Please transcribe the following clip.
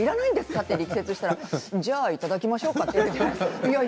って力説したらじゃあ、いただきましょうかって。